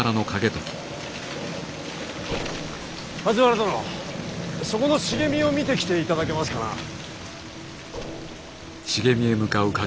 梶原殿そこの茂みを見てきていただけますかな。